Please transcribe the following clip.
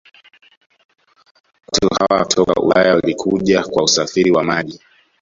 Watu hawa kutoka ulaya Walikuja kwa usafiri wa maji